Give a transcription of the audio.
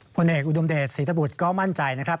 ผลเอกอุดมเดชศรีตบุตรก็มั่นใจนะครับ